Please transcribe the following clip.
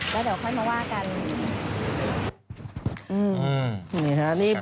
แล้วเดี๋ยวค่อยมาว่ากัน